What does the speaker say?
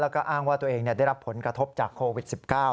แล้วก็อ้างว่าตัวเองได้รับผลกระทบจากโควิด๑๙